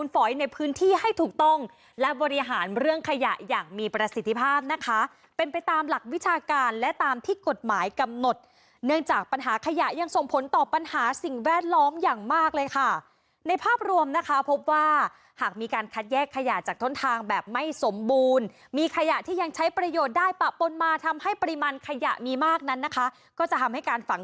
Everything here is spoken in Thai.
ฝอยในพื้นที่ให้ถูกต้องและบริหารเรื่องขยะอย่างมีประสิทธิภาพนะคะเป็นไปตามหลักวิชาการและตามที่กฎหมายกำหนดเนื่องจากปัญหาขยะยังส่งผลต่อปัญหาสิ่งแวดล้อมอย่างมากเลยค่ะในภาพรวมนะคะพบว่าหากมีการคัดแยกขยะจากต้นทางแบบไม่สมบูรณ์มีขยะที่ยังใช้ประโยชน์ได้ปะปนมาทำให้ปริมาณขยะมีมากนั้นนะคะก็จะทำให้การฝัง